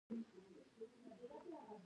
د جریان په تېرېدو تار ګرمېږي.